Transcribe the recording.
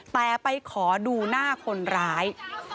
แต่ไปขอดูหน้าคนร้าย